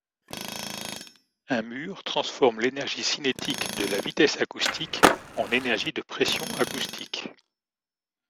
Un mur transforme l’énergie cinétique de la vitesse acoustique en énergie de pression acoustique.